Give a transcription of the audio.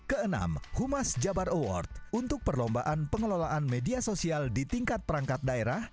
keenam humas jabar award untuk perlombaan pengelolaan media sosial di tingkat perangkat daerah